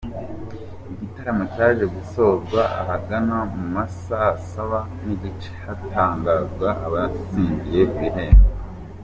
Igitaramo cyaje gusozwa ahagana mu ma saa saba n’igice hatangazwa abatsindiye ibihembo.